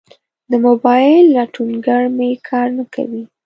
د موبایل لټونګر می کار نه کوي